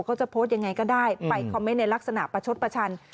เขาจะโพสต์ยังไงก็ได้ไปคอมเมนต์ในลักษณะประชดประชัน